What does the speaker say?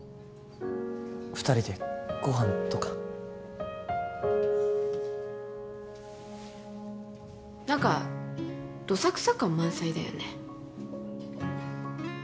二人でご飯とか何かどさくさ感満載だよね